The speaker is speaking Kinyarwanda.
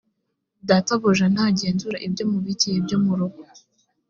databuja ntagenzura ibyo mubikiye byo mu rugo